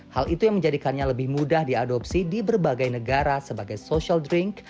hal itu yang menjadikannya lebih mudah diadopsi di berbagai negara sebagai social drink